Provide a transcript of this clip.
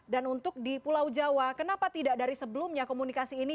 dan untuk di pulau jawa kenapa tidak dari sebelumnya komunikasi ini